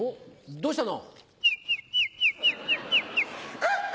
どうしたの？